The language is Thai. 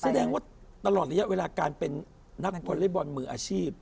แสดงว่าตลอดระยะเวลาการเป็นนักวอเล็กบอลมืออาชีพ